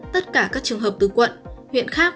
tất cả các trường hợp từ quận huyện khác